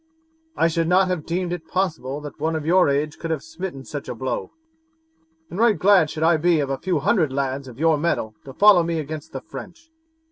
"I should not have deemed it possible that one of your age could have smitten such a blow, and right glad should I be of a few hundred lads of your mettle to follow me against the French.